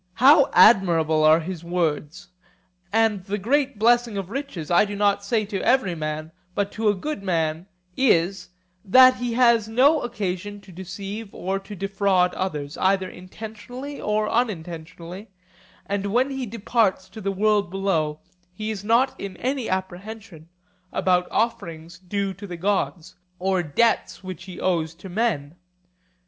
How admirable are his words! And the great blessing of riches, I do not say to every man, but to a good man, is, that he has had no occasion to deceive or to defraud others, either intentionally or unintentionally; and when he departs to the world below he is not in any apprehension about offerings due to the gods or debts which he owes to men.